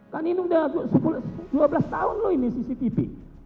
kan ini udah dua belas tahun loh ini cctv